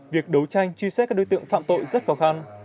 việc đấu tranh truy xét các đối tượng phạm tội rất khó khăn